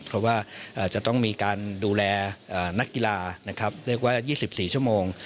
เพราะว่าจะต้องมีการดูแลนักกีฬานะครับเรียกว่า๒๔ชั่วโมง